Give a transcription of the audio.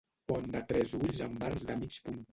Pont de tres ulls amb arcs de mig punt.